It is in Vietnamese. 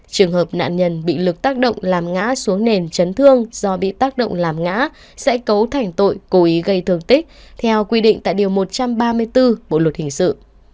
trường hợp nạn nhân bị lực tác động làm ngã xuống nền chấn thương do bị tác động làm ngã sẽ cấu thành tội cố ý gây thương tích theo quy định tại điều một trăm ba mươi bốn bộ luật hình sự